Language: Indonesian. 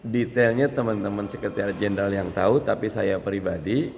detailnya teman teman sekretariat jenderal yang tahu tapi saya pribadi